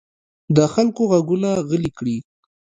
د خلکو غږونه غلي کړي.